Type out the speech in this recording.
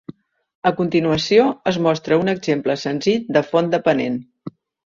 A continuació, es mostra un exemple senzill de font dependent.